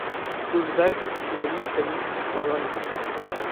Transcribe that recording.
Oswald et ses amis s'amusent dans un étang.